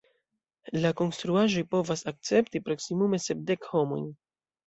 La konstruaĵoj povas akcepti proksimume sepdek homojn.